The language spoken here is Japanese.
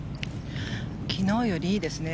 昨日よりいいですね。